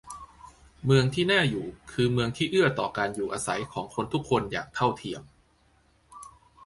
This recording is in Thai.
เมืองที่น่าอยู่คือเมืองที่เอื้อต่อการอยู่อาศัยของคนทุกคนอย่างเท่าเทียม